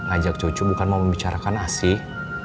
ajak cucu bukan mau membicarakan asih